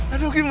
aduh gimana dia